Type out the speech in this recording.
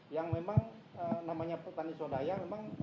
yang memang namanya petani swadaya memang